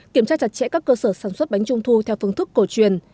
kiểm tra chặt chẽ các cơ sở sản xuất bánh trung thu theo phương thức cổ truyền